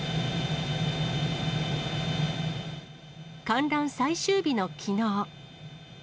観覧最終日のきのう。